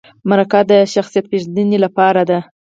مرکه د شخصیت پیژندنې لپاره ده